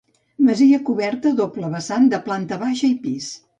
Masia coberta a doble vessant, de planta baixa i pis.